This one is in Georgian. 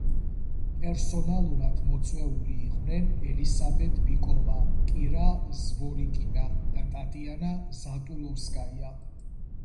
პერსონალურად მოწვეული იყვნენ ელისაბედ ბიკოვა, კირა ზვორიკინა და ტატიანა ზატულოვსკაია.